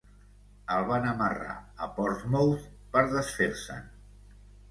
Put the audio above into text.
El van amarrar a Portsmouth per desfer-se'n.